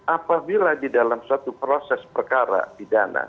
apabila di dalam suatu proses perkara pidana